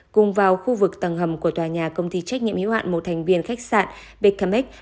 cùng vào khu vực tầng hầm của tòa nhà công ty trách nhiệm hiếu hạn một thành viên khách sạn bkmex